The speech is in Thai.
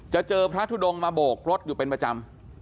เจอพระทุดงมาโบกรถอยู่เป็นประจำ